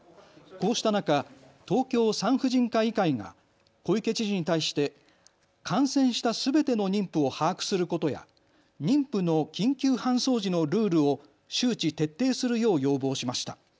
こうした中、東京産婦人科医会が小池知事に対して感染したすべての妊婦を把握することや妊婦の緊急搬送時のルールを周知徹底するよう要望しました。